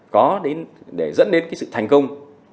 có đến để dẫn đến cái sự thành công